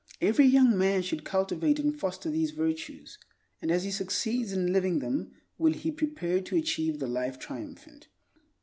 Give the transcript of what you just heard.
Every young man should cultivate and foster these virtues, and as he succeeds in living them will he prepare to achieve the Life Triumphant.